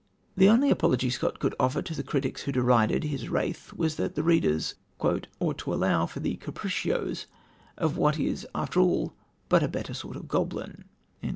The only apology Scott could offer to the critics who derided his wraith was that the readers "ought to allow for the capriccios of what is after all but a better sort of goblin."